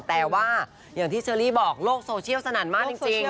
แต่ว่าอย่างที่เชอรี่บอกโลกโซเชียลสนั่นมากจริง